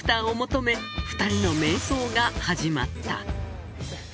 ２人の迷走が始まった